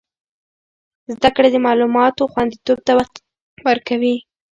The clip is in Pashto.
زده کړه د معلوماتو خوندیتوب ته وده ورکوي.